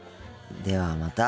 ではまた。